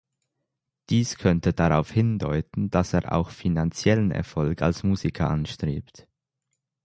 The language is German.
Dies könnte darauf hindeuten, dass er auch finanziellen Erfolg als Musiker anstrebt.